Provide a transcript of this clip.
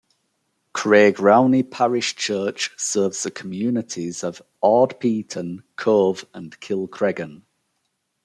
Craigrownie Parish Church serves the communities of Ardpeaton, Cove and Kilcreggan.